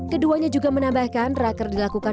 keduanya juga menambahkan